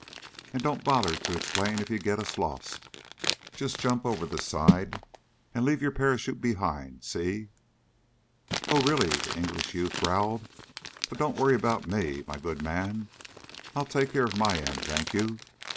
And don't bother to explain if you get us lost. Just jump over the side and leave your parachute behind, see?" "Oh, really?" the English youth growled. "Well, don't worry about me, my good man. I'll take care of my end, thank you.